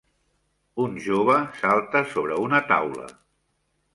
Un jove salta sobre una taula